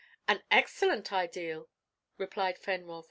"An excellent ideal," replied Fenwolf.